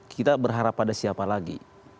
kita berharap pada siapa lagi